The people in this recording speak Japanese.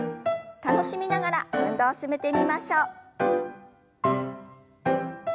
楽しみながら運動を進めてみましょう。